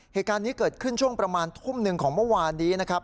เหตุการณ์นี้เกิดขึ้นช่วงประมาณทุ่มหนึ่งของเมื่อวานนี้นะครับ